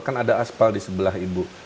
kan ada aspal di sebelah ibu